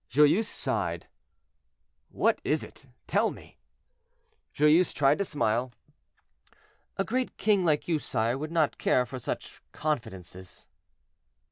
Joyeuse sighed. "What is it? tell me." Joyeuse tried to smile. "A great king like you, sire, would not care for such confidences."